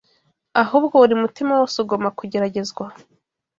Ahubwo buri mutima wose ugomba kugeragezwa,